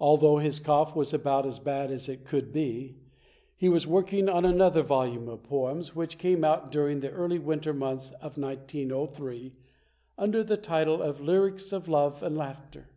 Although his cough was about as bad as it could be, he was working on another volume of poems which came out during the early winter months of 1903 under the title of "Lyrics of Love and Laughter".